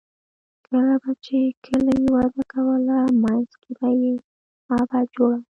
کله به چې کلي وده کوله، منځ کې به یې معبد جوړاوه.